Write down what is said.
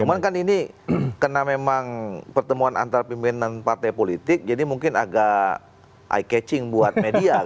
cuman kan ini karena memang pertemuan antar pimpinan partai politik jadi mungkin agak eye catching buat media